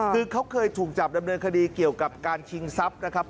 คือเขาเคยถูกจับดำเนินคดีเกี่ยวกับการชิงทรัพย์นะครับ